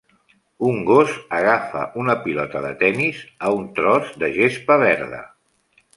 Un gos agafa una pilota de tennis a un tros de gespa verda.